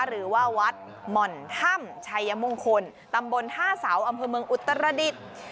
หรือว่าวัดหม่อนถ้ำชัยมงคลตำบลท่าเสาอำเภอเมืองอุตรดิษฐ์